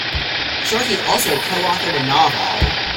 Sharkey also co-authored a novel.